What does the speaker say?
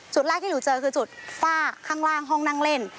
แรกที่หนูเจอคือจุดฝ้าข้างล่างห้องนั่งเล่น